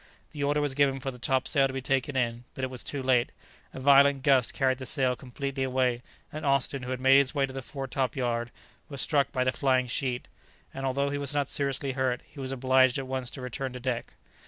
The order was given for the top sail to be taken in, but it was too late; a violent gust carried the sail completely away, and Austin, who had made his way to the fore top yard, was struck by the flying sheet; and although he was not seriously hurt, he was obliged at once to return to deck.